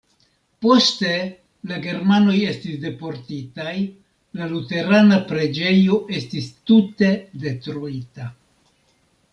Poste la germanoj estis deportitaj, la luterana preĝejo estis tute detruita.